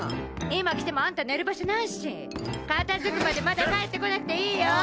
今来てもあんた寝る場所ないし片付くまでまだ帰ってこなくていいよ。